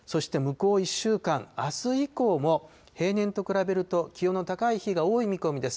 そして、向こう１週間、あす以降も、平年と比べると気温の高い日が多い見込みです。